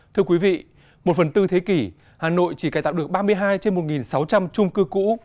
thưa quý vị một phần tư thế kỷ hà nội chỉ cài tạo được ba mươi hai trên một sáu trăm linh trung cư cũ